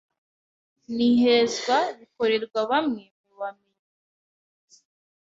n’ihezwa bikorerwa bamwe mu bamenyi